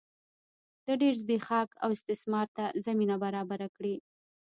د ډېر زبېښاک او استثمار ته زمینه برابره کړي.